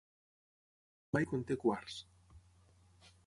Mai conté quars.